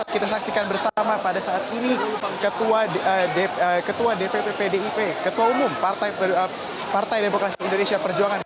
kita saksikan bersama pada saat ini ketua dpp pdip ketua umum partai demokrasi indonesia perjuangan